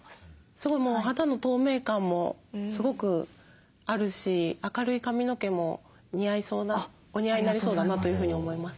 すごいもう肌の透明感もすごくあるし明るい髪の毛も似合いそうなお似合いになりそうだなというふうに思います。